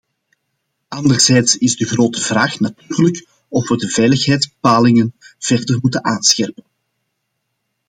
Anderzijds is de grote vraag natuurlijk of we de veiligheidsbepalingen verder moeten aanscherpen.